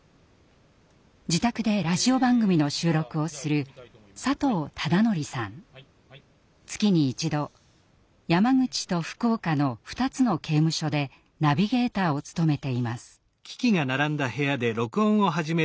自宅でラジオ番組の収録をする月に一度山口と福岡の２つの刑務所でナビゲーターを務めています。